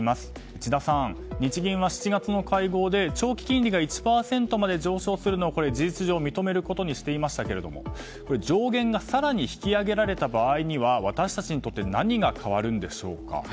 智田さん、日銀は７月の会合で長期金利が１％まで上昇するのを事実上認めることにしていましたが上限が更に引き上げられた場合には私たちにとって何が変わるんでしょうか。